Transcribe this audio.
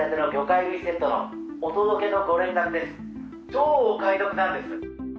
「超お買い得なんです！」